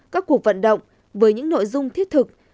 các cuộc vận động với những nội dung thiết thực